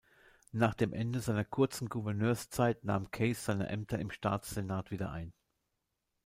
Nach dem Ende seiner kurzen Gouverneurszeit nahm Case seine Ämter im Staatssenat wieder ein.